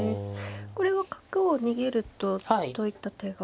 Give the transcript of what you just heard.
これは角を逃げるとどういった手が。